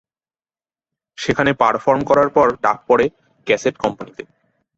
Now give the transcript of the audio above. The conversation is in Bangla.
সেখানে পারফর্ম করার পর ডাক পড়ে ক্যাসেট কোম্পানীতে।